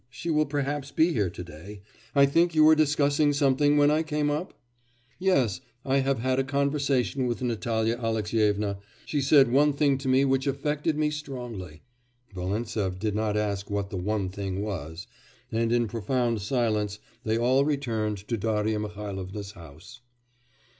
She will perhaps be here to day.... I think you were discussing something when I came up?' 'Yes; I have had a conversation with Natalya Alexyevna. She said one thing to me which affected me strongly.' Volintsev did not ask what the one thing was, and in profound silence they all returned to Darya Mihailovna's house.